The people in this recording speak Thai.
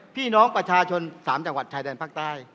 พี่น้องประชาชน๓จังหวัดชายแดนภาคใต้